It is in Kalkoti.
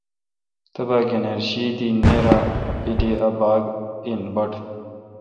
تبا گنیر شی دی نییرپیلی ا باگ اے°بٹ۔